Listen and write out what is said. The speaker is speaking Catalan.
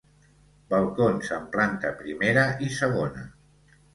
Balcons en planta primera i segona.